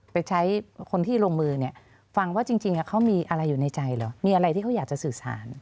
ไปใช้คนที่ลงมือเนี่ยฟังว่าจริงเขามีอะไรอยู่ในใจเหรอมีอะไรที่เขาอยากจะสื่อสาร